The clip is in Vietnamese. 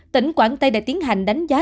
tỉnh quảng tây đã tiến hành đánh giá